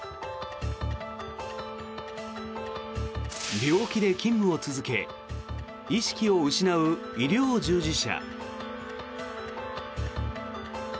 病気で勤務を続け意識を失う医療従事者。